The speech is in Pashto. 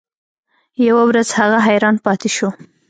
یوه ورځ هغه حیران پاتې شو.